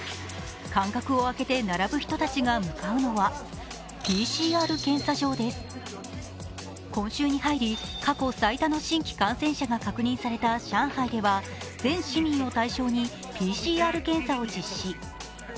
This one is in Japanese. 間隔を空けて並ぶ人たちが向かうのは、ＰＣＲ検査場で、今週に入り、過去最多の新規感染者が確認された上海では全市民を対象にＰＣＲ検査を実施。